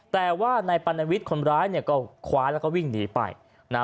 แต่ว่านายปัณวิทย์คนร้ายเนี่ยก็คว้าแล้วก็วิ่งหนีไปนะ